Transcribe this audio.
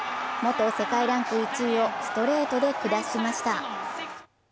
元世界ランク１位をストレートで下しました。